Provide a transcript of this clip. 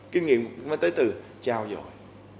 kinh nghiệm nó tới từ trao dội